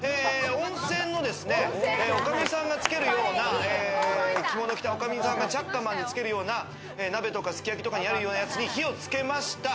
なにやら温泉のですね、女将さんがつけるような、着物を着た女将さんがチャッカマンでつけるような、鍋とかすき焼きとかにあるようなやつに火をつけました。